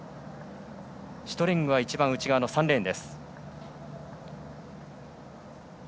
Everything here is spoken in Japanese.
シュトレングは一番内側の３レーン。